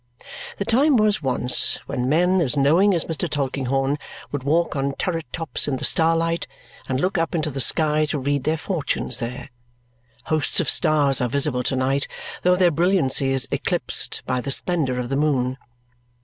The time was once when men as knowing as Mr. Tulkinghorn would walk on turret tops in the starlight and look up into the sky to read their fortunes there. Hosts of stars are visible to night, though their brilliancy is eclipsed by the splendour of the moon.